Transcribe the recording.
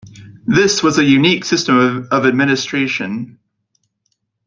This was a unique system of administration.